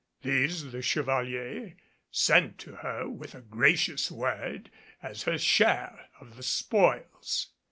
These the Chevalier sent to her with a gracious word as her share of the spoils.